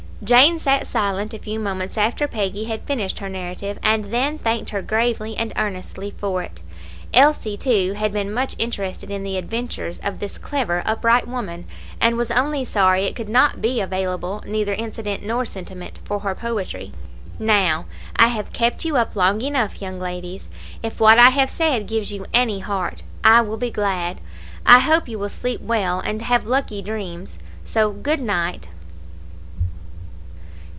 Jane sat silent a few moments after Peggy had finished her narrative, and then thanked her gravely and earnestly for it. Elsie, too, had been much interested in the adventures of this clever, upright woman, and was only sorry it could not be available neither incident nor sentiment for her poetry. "Now, I have kept you up long enough, young ladies. If what I have said gives you any heart, I will be glad. I hope you will sleep well, and have lucky dreams; so good night."